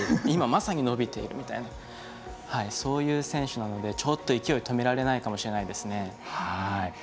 今、まさに伸びているみたいなそういう選手なので、勢い止められないかもしれないです。